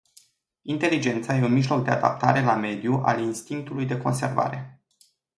Inteligența e un mijloc de adaptare la mediu al instinctului de conservare.